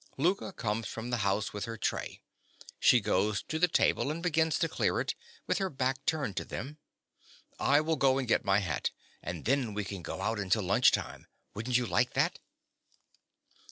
(Louka comes from the house with her tray. She goes to the table, and begins to clear it, with her back turned to them.) I will go and get my hat; and then we can go out until lunch time. Wouldn't you like that?